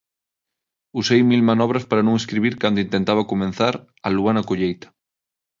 Usei mil manobras para non escribir cando intentaba comezar "A lúa na colleita".